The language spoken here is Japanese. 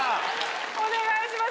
お願いします